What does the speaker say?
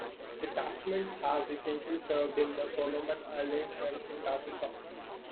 Detachments have recently served in the Solomon Islands and Antarctica.